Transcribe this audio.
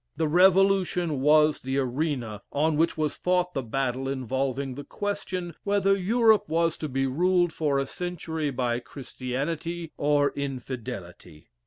The Revolution was the arena on which was fought the battle involving the question whether Europe was to be ruled for a century by Christianity or Infidelity.